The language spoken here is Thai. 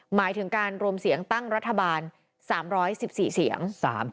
หมายถึงการรวมเสียงตั้งรัฐบาล๓๑๔เสียง